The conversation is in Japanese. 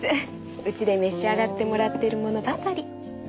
うちで召し上がってもらってるものばかり。